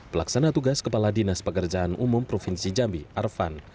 pelaksana tugas kepala dinas pekerjaan umum provinsi jambi arvan